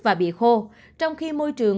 và bị khô trong khi môi trường